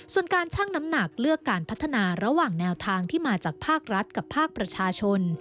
ส่วนการชั่งน้ำหนักเลือกการพัฒนาระหว่างแนวทางที่มาจากภาครัฐกับภาคประชาชน